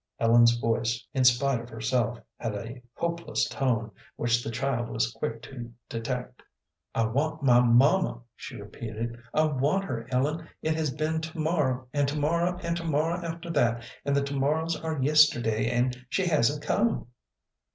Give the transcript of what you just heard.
Ellen's voice, in spite of herself, had a hopeless tone, which the child was quick to detect. "I want my mamma," she repeated. "I want her, Ellen. It has been to morrow, and to morrow, and to morrow after that, and the to morrows are yesterdays, and she hasn't come."